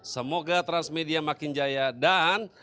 semoga transmedia makin jaya dan